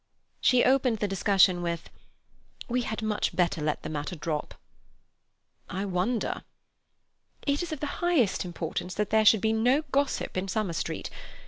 She opened the discussion with: "We had much better let the matter drop." "I wonder." "It is of the highest importance that there should be no gossip in Summer Street.